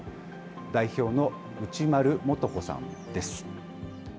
代表の内丸もと子さんです。